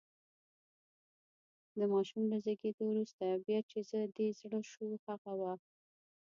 د ماشوم له زېږېدو وروسته، بیا چې دې زړه شو هغه وخت.